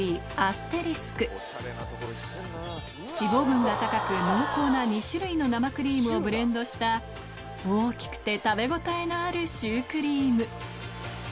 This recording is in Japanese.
脂肪分が高く濃厚な２種類の生クリームをブレンドした大きくて食べ応えのあるシュークリーム